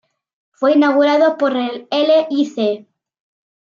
Fue inaugurado por el Lic.